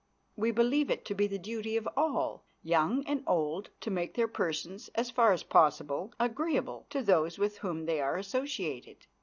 We believe it to be the duty of all, young and old, to make their persons, as far as possible, agreeable to those with whom they are associated.